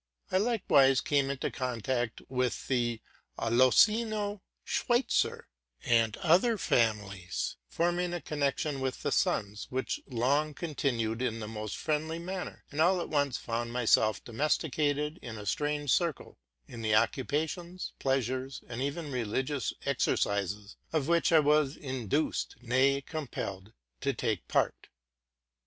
I likewise came into contact with the Alessina Schweizer, and other families, forming a connection with the sons, which long continued in the most friendly manner, and all at once found myself domesticated in a strange circle, in the occupations, pleasures, and even religious exercises of which I was induced, nay, compelled, to take part.